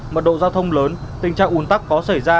mật độ giao thông lớn tình trạng ủn tắc có xảy ra